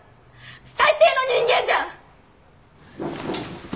最低の人間じゃん！